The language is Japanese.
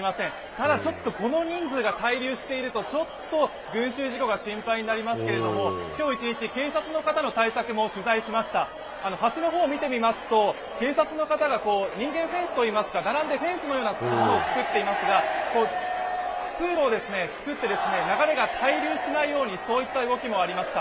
ただちょっと、この人数が滞留しているとちょっと群集事故が心配になりますが、今日一日、警察の方の対応も取材しました、橋のほう見てみますと警察の方が、人間フェンスといいますか並んでフェンスのようなものを作っていますが、通路を作って流れが滞留しないように、そういった動きもありました。